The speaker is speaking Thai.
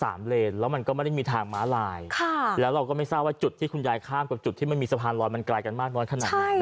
เลนแล้วมันก็ไม่ได้มีทางม้าลายค่ะแล้วเราก็ไม่ทราบว่าจุดที่คุณยายข้ามกับจุดที่มันมีสะพานลอยมันไกลกันมากน้อยขนาดไหน